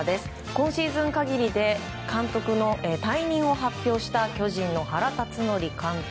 今シーズン限りで監督の退任を発表した巨人の原辰徳監督。